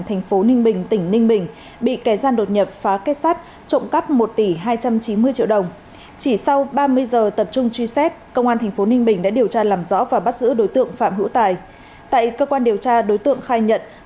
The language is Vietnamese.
thành phố ninh bình tỉnh ninh bình vừa bắt giữ phạm hữu tài chú tại tỉnh ninh bình để điều tra về hành vi trộm cắp tài sản